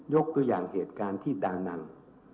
ยกตัวอย่างเหตุการณ์ที่ดัง